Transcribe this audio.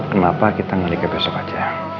kenapa kita ngeliga besok aja